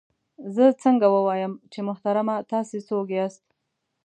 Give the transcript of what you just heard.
زه څنګه ووایم چې محترمه تاسې څوک یاست؟